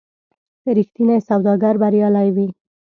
رښتینی سوداګر بریالی وي.